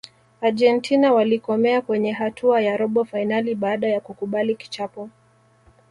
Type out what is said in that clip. argentina walikomea kwenye hatua ya robo fainali baada ya kukubali kichapo